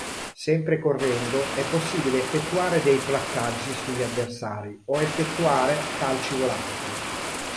Sempre correndo è possibile effettuare dei "placcaggi" sugli avversari, o effettuare calci volanti.